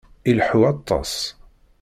Ileḥḥu aṭas.